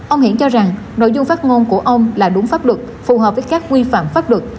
ông hiển cho rằng nội dung phát ngôn của ông là đúng pháp luật phù hợp với các quy phạm pháp luật